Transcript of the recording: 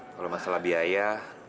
kalau masalah biaya